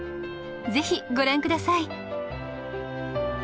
ぜひご覧下さい。